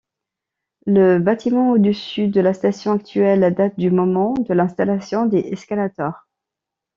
Le bâtiment au-dessus de la station actuelle date du moment de l'installation des escalators.